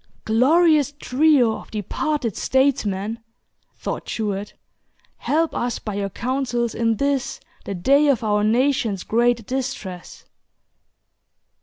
"Glorious trio of departed statesmen!" thought Jewett, "help us by your counsels in this the day of our nation's great distress."